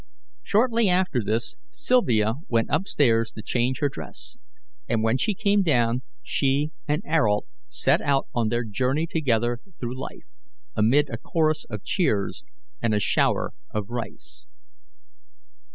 Shortly after this, Sylvia went up stairs to change her dress, and when she came down she and Ayrault set out on their journey together through life, amid a chorus of cheers and a shower of rice.